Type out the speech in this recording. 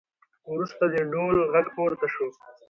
وروسته د ډول غږ پورته شو